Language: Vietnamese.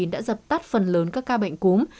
đã dập tắt phần lớn các ca bệnh cúng